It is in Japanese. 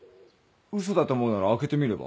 嘘だと思うなら開けてみれば？